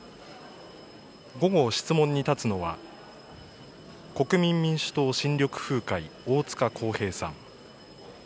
午後、質問に立つのは、国民民主党・新緑風会、大塚耕平さん。